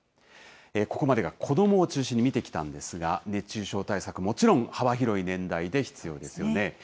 ここまでが子どもを中心に見てきたんですが、熱中症対策、もちろん幅広い年代で必要ですよね。